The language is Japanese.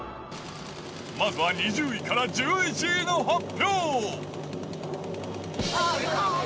まずは２０位から１１位の発表。